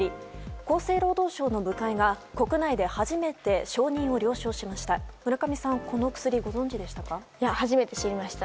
厚生労働省の部会が国内で初めて承認を了承しました。